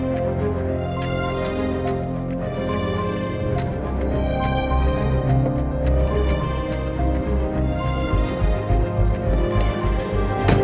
gigi ke belakang ya mas